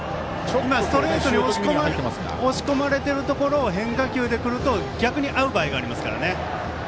ストレート押し込まれているところを変化球でくると逆に合う場合がありますからね。